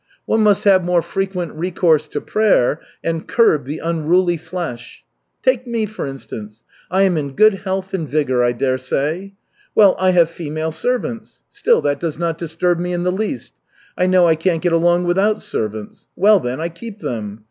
One must have more frequent recourse to prayer, and curb the unruly flesh. Take me, for instance. I am in good health and vigor, I dare say. Well, I have female servants. Still that does not disturb me in the least. I know I can't get along without servants, well then, I keep them.